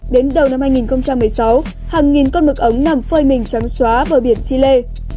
đến đầu năm hai nghìn một mươi sáu hàng nghìn con mực ống nằm phơi mình trắng xóa bờ biển chile